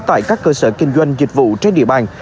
tại các cơ sở kinh doanh dịch vụ trên địa bàn